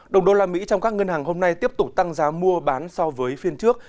đồng đô la mỹ trong các ngân hàng hôm nay tiếp tục tăng giá mua bán so với phiên trước